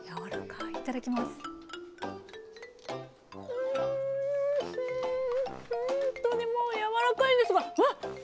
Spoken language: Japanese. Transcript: ほんとにもう柔らかいですがわっ！